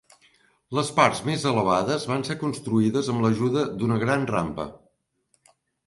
Les parts més elevades van ser construïdes amb l'ajuda d'una gran rampa.